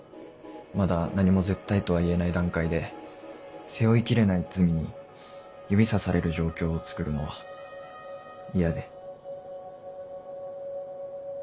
まだ何も絶対とは言えない段階で背負いきれない罪に指さされる状況をつくるのは嫌で。